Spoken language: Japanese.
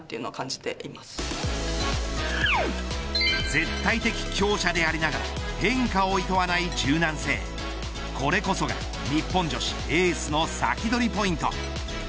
絶対的強者でありながら変化をいとわない柔軟性これこそが日本女子エースのサキドリポイント。